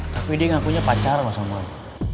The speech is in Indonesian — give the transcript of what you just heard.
tapi dia ngakunya pacar sama lo